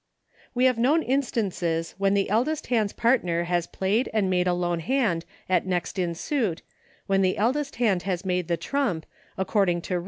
We have known instances when the eldest hand's partner has played and made a lone hand at next; in suit, when the eldest hand has made the trump, according to 116 EUCHRE.